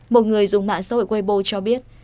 một người dùng mạng xã hội weibo cho biết